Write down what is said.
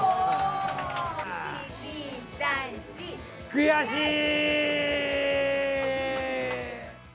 悔しい！